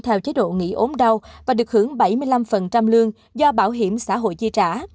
theo chế độ nghỉ ốm đau và được hưởng bảy mươi năm lương do bảo hiểm xã hội chi trả